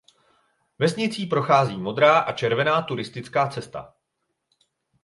Vesnicí prochází modrá a červená turistická cesta.